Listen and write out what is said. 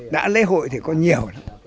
đã lễ hội thì có nhiều lắm